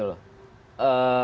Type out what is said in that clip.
ada lingkungan pendidikan